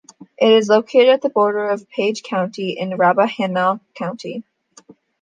It is located at the border of Page County and Rappahannock County.